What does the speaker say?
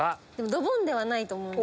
ドボンではないと思うんです。